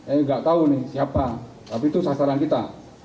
eh gak tau nih siapa tapi itu sasaran kita